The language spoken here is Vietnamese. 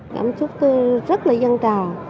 cảm xúc tôi rất là dân trào